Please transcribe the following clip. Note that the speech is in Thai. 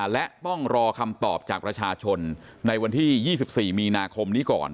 และต้องรอคำตอบจากประชาชนในวันที่๒๔มีนาคมนี้ก่อน